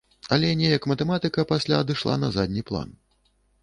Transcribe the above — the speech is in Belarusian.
Але неяк матэматыка пасля адышла на задні план.